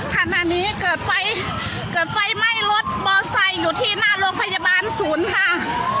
ขณะนี้เกิดไฟเกิดไฟไหม้รถมอไซค์อยู่ที่หน้าโรงพยาบาลศูนย์ค่ะ